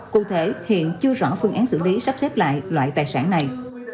cụ thể hiện chưa rõ phương án xử lý sắp xếp lại loại tài sản này